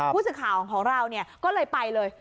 ผู้สื่อข่าวของเราก็เลยไปเลย